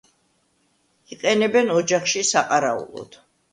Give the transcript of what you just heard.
იყენებენ ოჯახში საყარაულოდ.